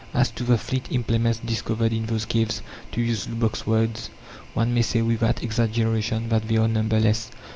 As to the flint implements discovered in those caves, to use Lubbock's words, "one may say without exaggeration that they are numberless."